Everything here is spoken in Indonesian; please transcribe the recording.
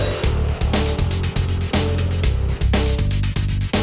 oke udah deh